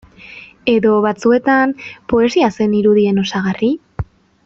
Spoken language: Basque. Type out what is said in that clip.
Edo, batzuetan, poesia zen irudien osagarri?